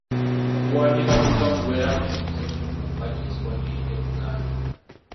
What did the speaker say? Okuwandiika ku bika kubeera kunyweza emu ku mpagi eziwaniridde Buganda.